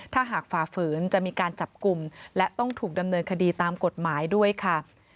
ถ้าหากฝ่าฝืนจะมีการจับกลุ่มและต้องถูกดำเนินคดีตามกฎหมายด้วยค่ะ